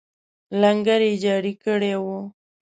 لنګر یې جاري کړی وو.